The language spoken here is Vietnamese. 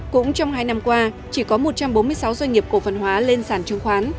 cũng trong hai năm qua chỉ có một trăm bốn mươi sáu doanh nghiệp cổ phần hóa lên sản trương khoán